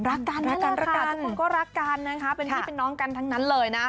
รักกันทุกคนก็รักกันนะคะเป็นพี่เป็นน้องกันทั้งนั้นเลยนะ